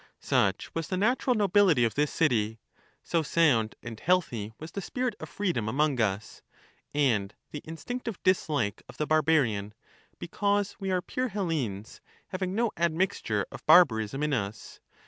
Such was the natural nobility of this city, so sound and healthy was the spirit of freedom among us, and the instinctive dislike of the barbarian, because we are pure Hellenes, having no admixture of barbarism in us.